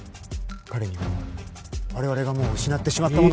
彼には我々がもう失ってしまったものを。